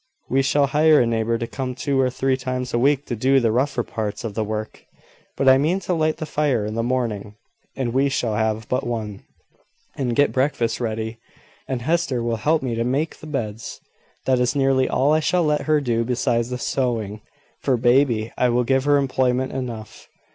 We shall hire a neighbour to come two or three times a week to do the rougher parts of the work. But I mean to light the fire in the morning (and we shall have but one), and get breakfast ready; and Hester will help me to make the beds. That is nearly all I shall let her do besides the sewing; for baby will give her employment enough."